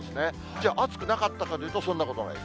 じゃあ、暑くなかったかというと、そんなことはない。